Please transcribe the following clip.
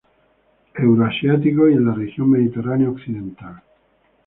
Euroasiático y en la región Mediterránea-occidental.